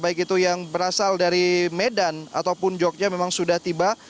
baik itu yang berasal dari medan ataupun jogja memang sudah tiba